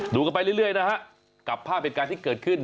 กันไปเรื่อยนะฮะกับภาพเหตุการณ์ที่เกิดขึ้น